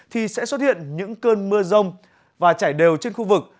thì sẽ xuất hiện những cơn mưa rông và chảy đều trên khu vực